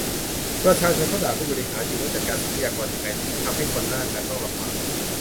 ประชาชนเขาด่าผู้บริหารอยู่ ว่าจัดการทรัพยากรยังไง ถึงทำให้คนหน้างานต้องลำบาก